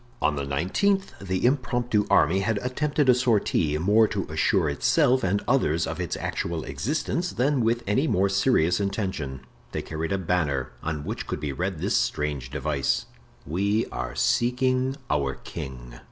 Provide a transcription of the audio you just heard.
On the nineteenth the impromptu army had attempted a sortie, more to assure itself and others of its actual existence than with any more serious intention. They carried a banner, on which could be read this strange device: "We are seeking our king."